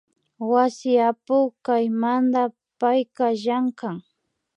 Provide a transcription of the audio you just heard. Wasi apuk kaymanta payka llankan